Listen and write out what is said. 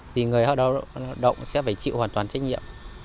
thì người lao động sẽ phải chịu hoàn toàn trách nhiệm